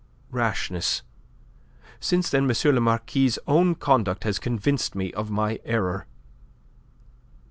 rashness. Since then M. le Marquis' own conduct has convinced me of my error."